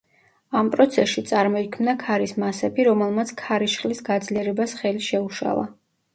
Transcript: ამ პროცესში წარმოიქმნა ქარის მასები, რომელმაც ქარიშხლის გაძლიერებას ხელი შეუშალა.